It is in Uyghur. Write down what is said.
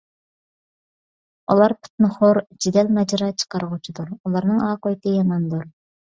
ئۇلار پىتنىخور، جېدەل - ماجىرا چىقارغۇچىدۇر. ئۇلارنىڭ ئاقىۋىتى ياماندۇر.